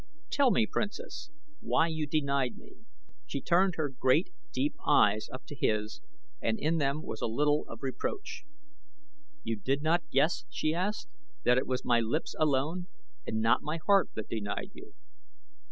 Tell me, Princess, why you denied me." She turned her great, deep eyes up to his and in them was a little of reproach. "You did not guess," she asked, "that it was my lips alone and not my heart that denied you?